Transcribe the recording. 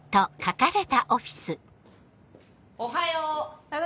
おはよう！